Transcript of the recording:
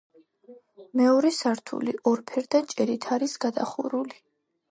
მეორე სართული ორფერდა ჭერით არის გადახურული.